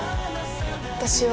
私は。